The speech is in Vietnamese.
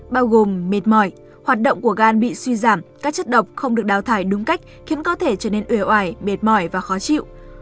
bao gồm mệt mỏi hoạt động của gan bị suy giảm các chất độc không được đào thải đúng cách khiến cơ thể trở nên uyê oai mệt mỏi và khó chịu